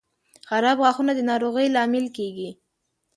• خراب غاښونه د ناروغۍ لامل کیږي.